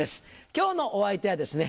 今日のお相手はですね